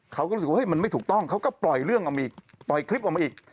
เขาก็รู้สึกว่ามันไม่ถูกต้องเขาก็ปล่อยเรื่องออกมาอีกปล่อยคลิปออกมาอีก